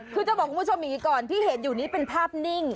คือจะบอกคุณผู้ชมอย่างนี้ก่อนที่เห็นอยู่นี้เป็นภาพนิ่ง